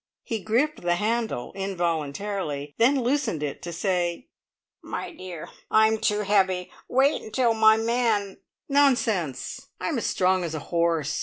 He gripped the handle involuntarily, then loosened it to say: "My dear, I'm too heavy. Wait till my man " "Nonsense! I'm as strong as a horse.